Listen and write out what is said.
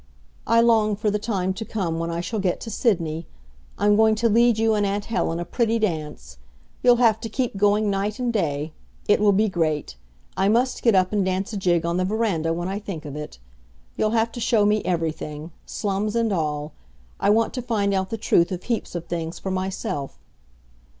I long for the time to come when I shall get to Sydney. I'm going to lead you and aunt Helen a pretty dance. You'll have to keep going night and day. It will be great. I must get up and dance a jig on the veranda when I think of it. You'll have to show me everything slums and all. I want to find out the truth of heaps of things for myself.